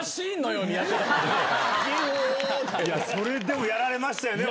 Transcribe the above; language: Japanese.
それでもやられましたよね